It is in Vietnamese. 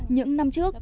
những năm trước